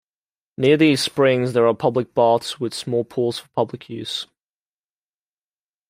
Near these springs there are public baths with small pools for public use.